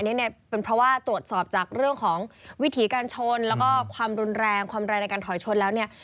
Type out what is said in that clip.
เนี่ยเป็นเพราะว่าตรวจสอบจากเรื่องของวิถีการชนแล้วก็ความรุนแรงความแรงในการถอยชนแล้วเนี่ย